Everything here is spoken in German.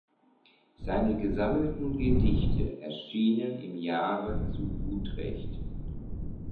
Seine gesammelten Gedichte erschienen im Jahre zu Utrecht.